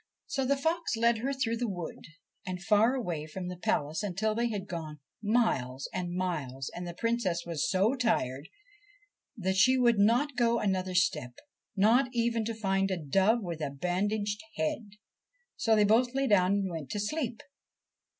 So the fox led her through the wood and far away from the palace until they had gone miles and miles, and the Princess was so tired that she would not go another step, not even to find a dove with a bandaged head. So they both lay down and went to sleep.